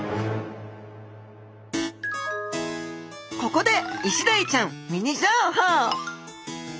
ここでイシダイちゃんミニ情報！